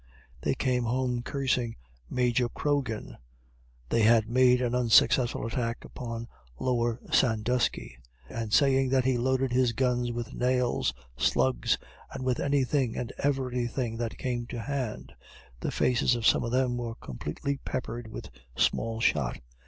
They came home cursing Major Croghan, (they had made an unsuccessfull attack upon Lower Sandusky,) and saying that he loaded his guns with nails, slugs, and with any thing and every thing that came to hand. The faces of some of them were completely peppered with small shot.